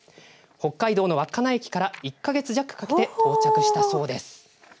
北海道の稚内駅から１か月弱かけて到着したそうです。